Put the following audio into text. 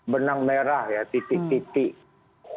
benang merah ya titik titik